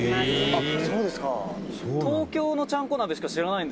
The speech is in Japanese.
「あっそうですか！」